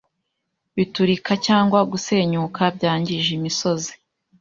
biturika cyangwa gusenyuka byangije imisozi